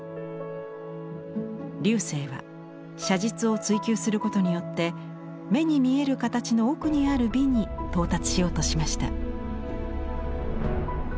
劉生は写実を追求することによって目に見える形の奥にある美に到達しようとしました。